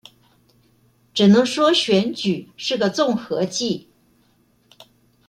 只能說選舉是個綜合技